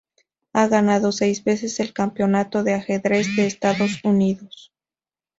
Ha ganado seis veces el Campeonato de ajedrez de Estados Unidos.